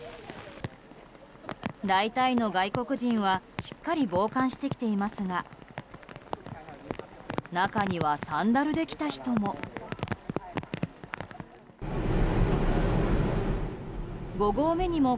大体の外国人はしっかり防寒してきていますが中にはサンダルで来た人も。